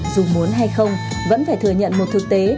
dù muốn hay không vẫn phải thừa nhận một thực tế